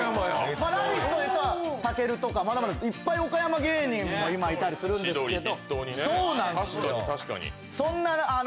「ラヴィット！」でいうとたけるとか、まだまだいっぱい岡山芸人もいたりするんですけど。